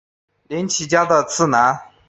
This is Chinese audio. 绫崎家的次男。